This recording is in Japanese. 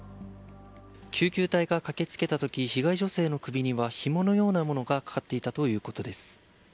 救急隊が駆け付けた時被害女性の首にはひものようなものがかかっていたということです。